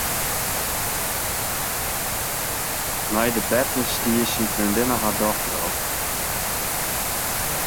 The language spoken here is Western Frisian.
Nei de berte stie syn freondinne har dochter ôf.